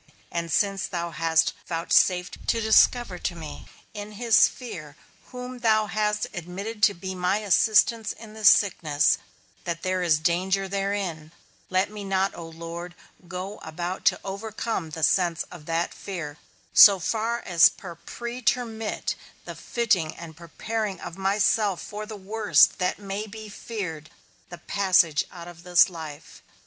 And since thou hast vouchsafed to discover to me, in his fear whom thou hast admitted to be my assistance in this sickness, that there is danger therein, let me not, O Lord, go about to overcome the sense of that fear, so far as to pretermit the fitting and preparing of myself for the worst that may be feared, the passage out of this life.